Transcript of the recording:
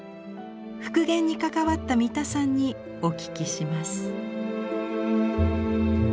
復元に関わった三田さんにお聞きします。